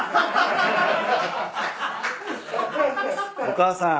お母さん。